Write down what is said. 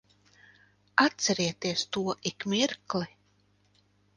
Atcerieties to ik mirkli.